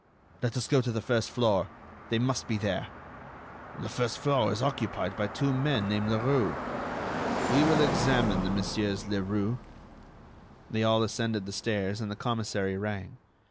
"Let us go to the first floor. They must be there." "The first floor is occupied by two men named Leroux." "We will examine the Messieurs Leroux." They all ascended the stairs and the commissary rang.